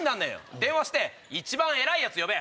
電話して一番偉い奴呼べ！